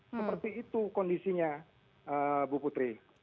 seperti itu kondisinya bu putri